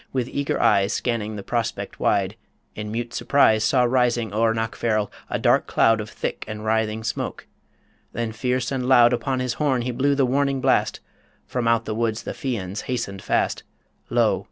with eager eyes Scanning the prospect wide ... in mute surprise Saw rising o'er Knockfarrel, a dark cloud Of thick and writhing smoke ... Then fierce and loud Upon his horn he blew the warning blast From out the woods the Fians hastened fast Lo!